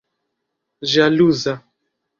ĵaluza